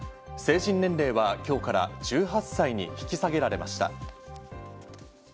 成人年齢は今日から１８歳に引き下げられました。